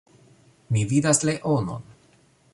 Mi vidas leonon.